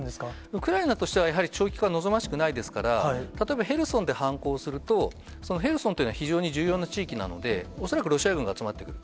ウクライナとしてはやはり長期化望ましくないですから、例えば、ヘルソンで反攻すると、そのヘルソンというのは非常に重要な地域なので、恐らくロシア軍が集まってくる。